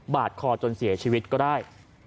ดคอจนเสียชีวิตก็ได้